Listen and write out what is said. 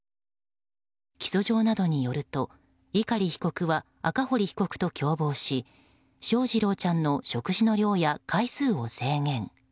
起訴状などによると碇被告は赤堀被告と共謀し翔士郎ちゃんの食事の量や回数を制限。